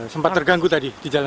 sempat terganggu tadi di jalan